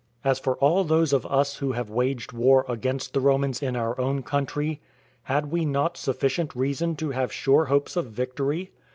As for all those of us who have waged war against the Romans in our own country, had we not sufficient reason to have sure hopes of victory?